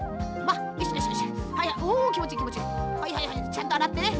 ちゃんとあらってね。